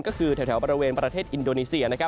ก็คือแถวบริเวณประเทศอินโดนีเซีย